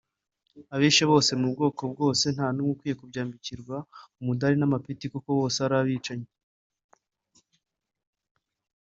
Abishe bose mu bwoko bwose nta n’umwe ukwiye kubyambikirwa umudari n’amapeti kuko bose ari abicanyi